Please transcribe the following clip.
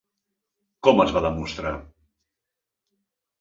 Com es va demostrar?